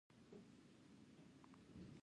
متکثره ټولنه څو اړخیزه او متنوع وي.